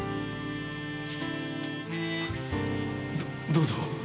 どどうぞ。